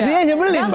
jadinya nyebelin pak